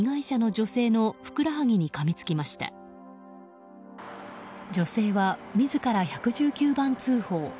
女性は自ら１１９番通報。